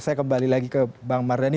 saya kembali lagi ke bang mardhani